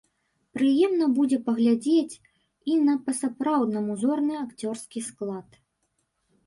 Прыемна будзе паглядзець і на па-сапраўднаму зорны акцёрскі склад.